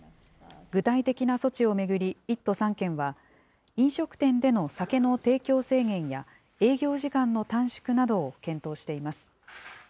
具体的な措置を巡り、１都３県は、飲食店での酒の提供制限や、営業時間の短縮などを検討しています。